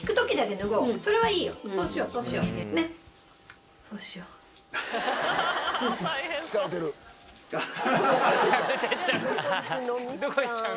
どこ行っちゃうの？